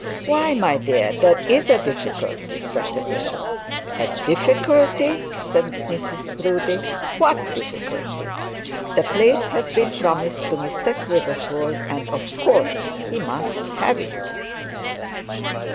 'Why, my dear, there is a difficulty,' said the bishop. 'A difficulty!' said Mrs Proudie, 'What difficulty? The place has been promised to Mr Quiverful, and of course he must have it.